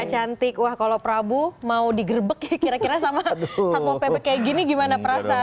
cantik wah kalau prabu mau digerbek kira kira sama satpol pp kayak gini gimana perasaannya